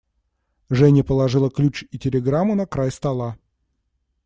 Женя положила ключ и телеграмму на край стола.